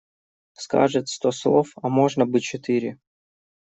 Скажет сто слов, а можно бы четыре.